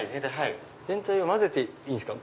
全体を混ぜていいんですか？